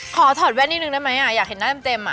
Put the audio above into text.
ถอดแว่นนิดนึงได้ไหมอยากเห็นหน้าเต็ม